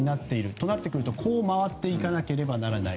となってくるとこう回っていかないとならない。